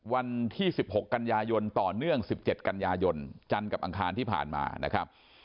วันที่๑๖กันยายนต่อเนื่อง๑๗กันยายนจันทร์กับอังคารที่ผ่านมานะครับ